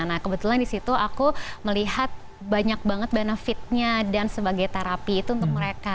nah kebetulan di situ aku melihat banyak banget benefitnya dan sebagai terapi itu untuk mereka